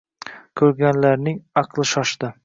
Ko‘rganlarning aqli shoshdi.